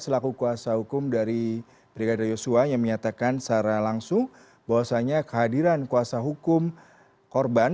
selaku kuasa hukum dari brigadir yosua yang menyatakan secara langsung bahwasannya kehadiran kuasa hukum korban